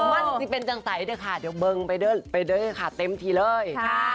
มั่นที่เป็นจังใสด้วยค่ะเดี๋ยวเบิ้งไปเด้อค่ะเต็มทีเลย